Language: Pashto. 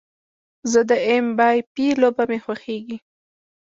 زه د ایم با في لوبه مې خوښیږي